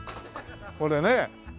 これね。